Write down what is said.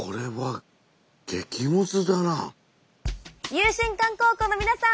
湧心館高校の皆さん